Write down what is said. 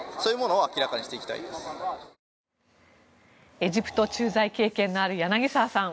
エジプト駐在経験のある柳澤さん